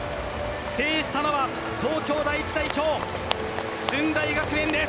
制したのは東京第１代表・駿台学園です。